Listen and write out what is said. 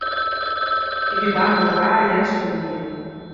Ik bin bang dat it raar jern spûn hie.